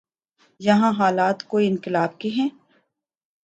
یہاں حالات کوئی انقلاب کے ہیں؟